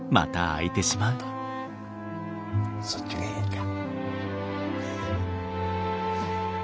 そっちがええか。